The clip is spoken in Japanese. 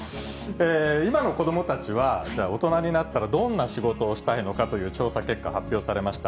今の子どもたちは、じゃあ、大人になったらどんな仕事をしたいのかという調査結果、発表されました。